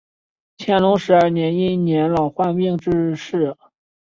乾隆十二年因年老患病致仕。